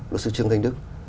luật sư trương thanh đức